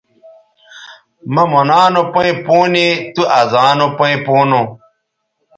مہ مونا نو پیئں پونے تُو ازانو پیئں پونو